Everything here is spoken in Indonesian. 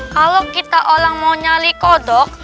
kalau kita orang mau nyali kodok